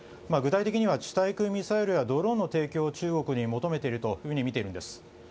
具体的には地対空ミサイルやドローンの提供を中国に求めているとみています。